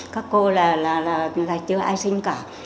các cô là chưa ai sinh cả